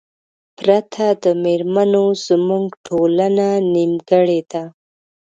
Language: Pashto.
پرته د میرمنو زمونږ ټولنه نیمګړې ده